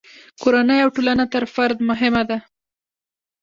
کورنۍ او ټولنه تر فرد مهمه ده.